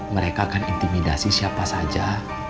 mereka akan intimidasi siapa saja